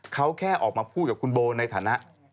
เขาแค่ออกมาพูดกับคุณโบในฐานะ